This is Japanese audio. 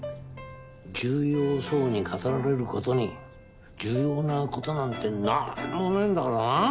重要そうに語られる事に重要な事なんてなんにもねえんだからな。